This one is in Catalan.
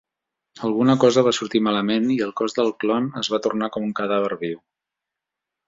Alguna cosa va sortir malament i el cos del clon es va tornar com un cadàver viu.